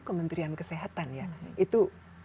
kementerian kesehatan ya itu